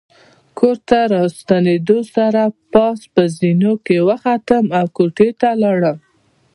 کور ته له راستنېدو سره پاس په زینو کې وختلم او کوټې ته ولاړم.